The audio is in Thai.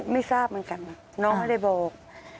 ไม่ทราบเหมือนกันน้องไม่ได้บอก